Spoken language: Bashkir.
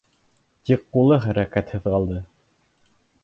Тик ҡулы хәрәкәтһеҙ ҡалды.